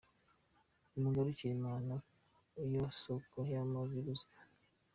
Nimugarukire Imana, yo soko y’amazi y’ubuzima.